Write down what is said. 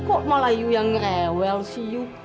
kok malah you yang rewel sih you